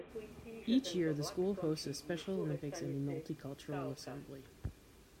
Each year, the school hosts a Special Olympics and a Multicultural Assembly.